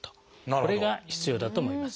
これが必要だと思います。